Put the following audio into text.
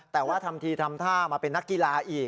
แต่ว่าทำทีทำท่ามาเป็นนักกีฬาอีก